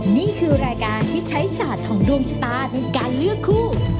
นี่คือรายการที่ใช้ศาสตร์ของดวงชะตาในการเลือกคู่